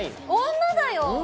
女だよ